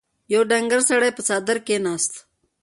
يو ډنګر سړی پر څادر کېناست.